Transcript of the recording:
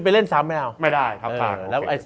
เป็นเล่นซ้ำไม่ได้